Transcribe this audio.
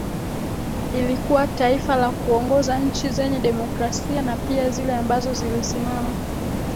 ilikuwa taifa la kuongoza nchi zenye demokrasia na pia zile ambazo zilisimama